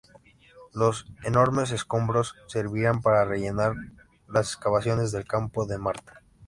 Los enormes escombros servirían para rellenar las excavaciones del Campo de Marte.